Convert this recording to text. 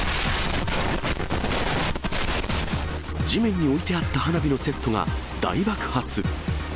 地面に置いてあった花火のセットが、大爆発。